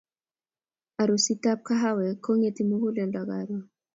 Arustab kahawek kongeti muguleldo karon